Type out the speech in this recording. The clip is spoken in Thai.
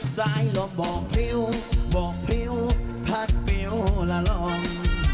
ใส่ลมบอกพริ้วบอกพริ้วพัดเปรี้ยวละลอง